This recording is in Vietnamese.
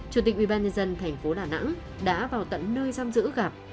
chủ tịch ubnd thành phố đà nẵng đã vào tận nơi giam giữ gặp